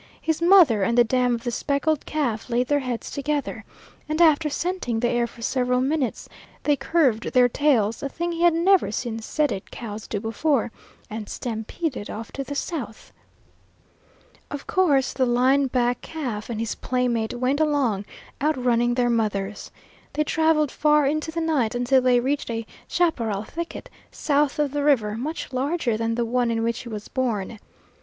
His mother and the dam of the speckled calf laid their heads together, and after scenting the air for several minutes, they curved their tails a thing he had never seen sedate cows do before and stampeded off to the south. Of course the line back calf and his playmate went along, outrunning their mothers. They traveled far into the night until they reached a chaparral thicket, south of the river, much larger than the one in which he was born.